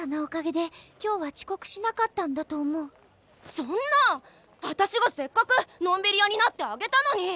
そんな私がせっかくのんびり屋になってあげたのに。